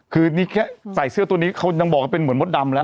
คือนี่แค่ใส่เสื้อตัวนี้เขายังบอกว่าเป็นเหมือนมดดำแล้ว